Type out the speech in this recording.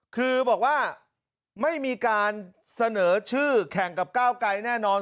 คือบอกว่าไม่มีการเสนอชื่อแข่งกับก้าวไกรแน่นอน